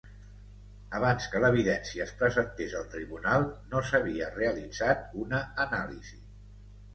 Abans que l'evidència es presentés al tribunal, no s'havia realitzat una anàlisi.